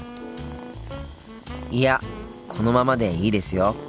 いやこのままでいいですよ。